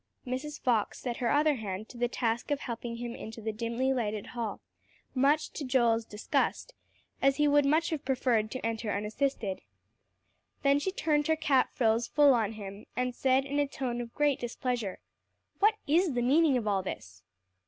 Mrs. Fox set her other hand to the task of helping him into the dimly lighted hall, much to Joel's disgust, as he would much have preferred to enter unassisted. Then she turned her cap frills full on him, and said in a tone of great displeasure, "What is the meaning of all this?"